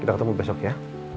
kita ketemu besok ya